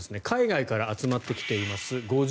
海外から集まってきています。